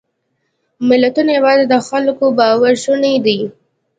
ملتونه یواځې د خلکو په باور شوني دي.